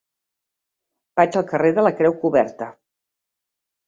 Vaig al carrer de la Creu Coberta.